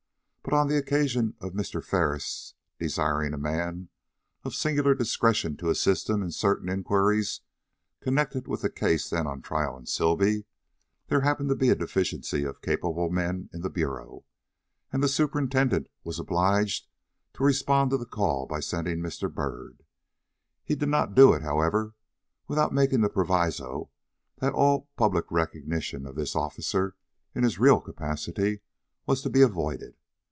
But, on the occasion of Mr. Ferris desiring a man of singular discretion to assist him in certain inquiries connected with the case then on trial in Sibley, there happened to be a deficiency of capable men in the bureau, and the superintendent was obliged to respond to the call by sending Mr. Byrd. He did not do it, however, without making the proviso that all public recognition of this officer, in his real capacity, was to be avoided.